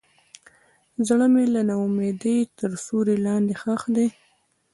زړه مې د ناامیدۍ تر سیوري لاندې ښخ دی.